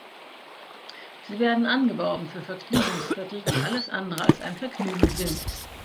Sie werden angeworben für Vergnügungsviertel, die alles andere als ein Vergnügen sind.